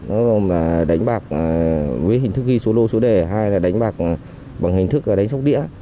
nó gồm là đánh bạc với hình thức ghi số lô số đề hai là đánh bạc bằng hình thức đánh sóc đĩa